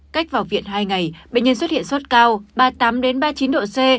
cách vào viện hai ngày bệnh nhân xuất hiện sốt cao ba mươi tám ba mươi chín độ c